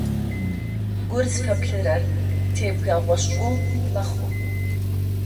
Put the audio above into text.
Гур зыфэплърэр тебгэгъошӏу мэхъу.